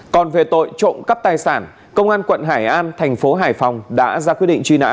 còn về tội trộm cắp tài sản công an quận hải an thành phố hải phòng đã ra quyết định truy nã